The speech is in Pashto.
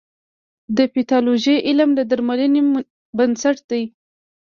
د پیتالوژي علم د درملنې بنسټ دی.